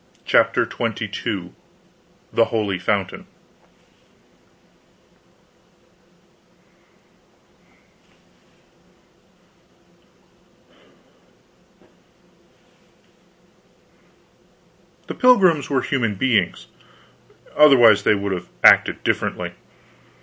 CHAPTER XXII THE HOLY FOUNTAIN The pilgrims were human beings. Otherwise they would have acted differently.